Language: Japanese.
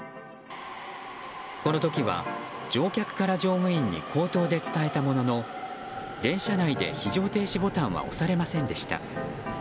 この時は、乗客から乗務員に口頭で伝えたものの電車内で非常停止ボタンは押されませんでした。